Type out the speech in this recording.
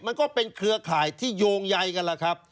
มันก็เป็นเครือข่ายที่โยงใยกันล่ะครับ